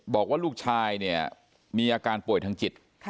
บอกว่าลูกชายเนี่ยมีอาการป่วยทางจิต